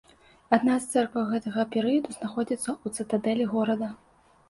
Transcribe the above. Адна з цэркваў гэтага перыяду знаходзіцца ў цытадэлі горада.